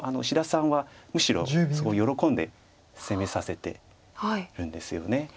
志田さんはむしろすごい喜んで攻めさせてるんですよね。